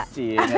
cie gak takut sih